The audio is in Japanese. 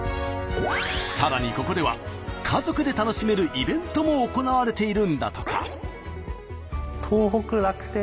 さらにここでは家族で楽しめるイベントも行われているんだとか。